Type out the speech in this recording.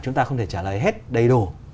chúng ta không thể trả lời hết đầy đủ